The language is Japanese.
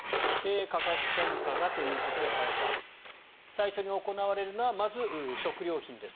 価格転嫁がということで加谷さん最初に行われるのはまず食料品です。